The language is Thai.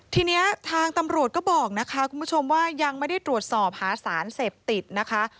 ทีนี้ทางตำรวจก็บอกนะคะคุณผู้ชมว่ายังไม่ได้ตรวจสอบหาสารเสพติดนะคะ